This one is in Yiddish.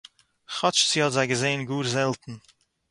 כאָטש זי האָט זיי געזען גאָר זעלטן